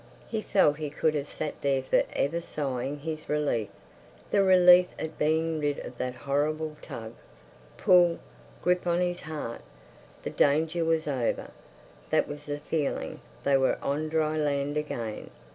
He felt he could have sat there for ever sighing his relief—the relief at being rid of that horrible tug, pull, grip on his heart. The danger was over. That was the feeling. They were on dry land again.